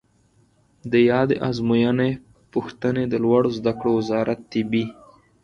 د یادې آزموینې پوښتنې د لوړو زده کړو وزارت طبي